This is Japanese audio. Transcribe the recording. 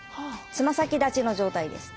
つま先立ちの状態です。